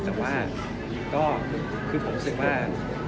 แต่ว่าก็คือผมรู้สึกว่า